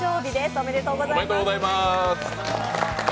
おめでとうございます。